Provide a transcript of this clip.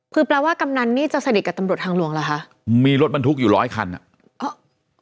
คือแปลว่ากำนันนี่จะสนิทกับตำรวจทางหลวงเหรอคะมีรถบรรทุกอยู่ร้อยคันอ่ะอ๋อ